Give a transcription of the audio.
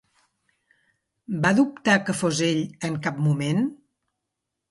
Va dubtar que fos ell en cap moment?